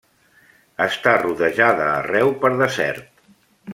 Està rodejada arreu per desert.